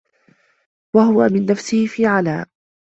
وَهُوَ مِنْ نَفْسِهِ فِي عَنَاءٍ